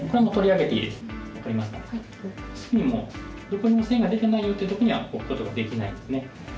どこにも線が出てないよっていう時には置くことができないんですね。